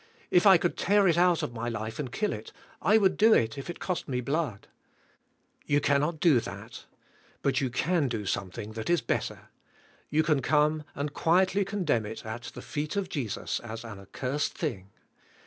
If I could tear it out of my life and kill it, I would do it if it cost me blood. You cannot do that. But you can do something that is better. You can come and quietly condemn it at the feet of Jesus as an accursed thing.